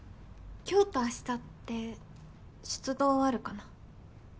今日と明日って出動あるかな？